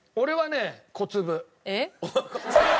えっ？